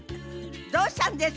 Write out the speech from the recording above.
「どうしたんですか！！！」